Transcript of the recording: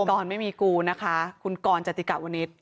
มีกรไม่มีกูนะคะคุณกรจะติดกลับวันนี้